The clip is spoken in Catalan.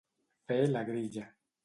Fer la grilla.